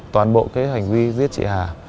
toàn bộ hành vi giết chị hà